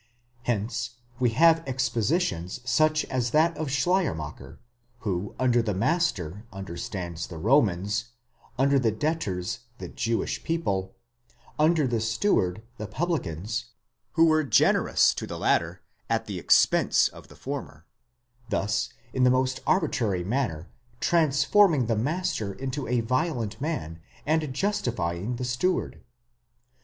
Hence we have expositions such as that of Schleiermacher, who under the master understands the Romans; under the debtors, the Jewish people; under the steward, the publicans, who were generous to the latter at the expense of the former ; thus, in the most arbitrary manner, transforming the master into a violent man, and justifying the steward.